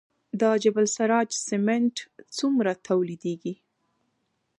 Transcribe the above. د جبل السراج سمنټ څومره تولیدیږي؟